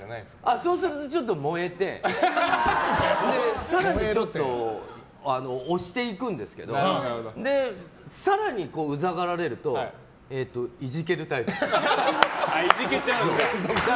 そうするとちょっと燃えて更に押していくんですけど更にうざがられるといじけるタイプです。